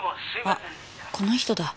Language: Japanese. あっこの人だ。